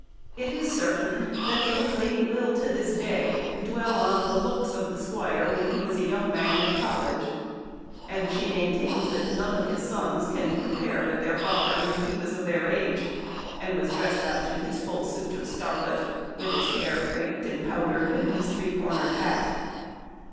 It is certain that the old lady will, to this day, dwell on the looks of the squire when he was a young man at college; and she maintains that none of his sons can compare with their father when he was of their age, and was dressed out in his full suit of scarlet, with his hair craped and powdered, and his three cornered hat.